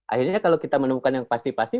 akhirnya kalau kita menemukan yang pasti pasti